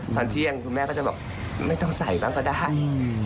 ตอนเที่ยงคุณแม่ก็จะบอกไม่ต้องใส่บ้างก็ได้